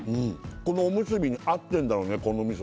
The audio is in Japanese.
このおむすびに合ってんだろうねこの味噌